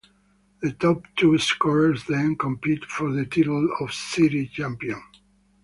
The top two scorers then competed for the title of City Champion.